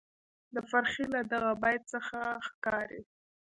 د فرخي له دغه بیت څخه ښکاري،